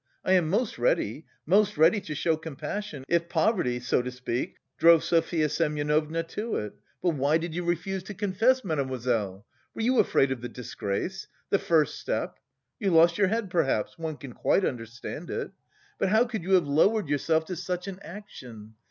I am most ready, most ready to show compassion, if poverty, so to speak, drove Sofya Semyonovna to it, but why did you refuse to confess, mademoiselle? Were you afraid of the disgrace? The first step? You lost your head, perhaps? One can quite understand it.... But how could you have lowered yourself to such an action?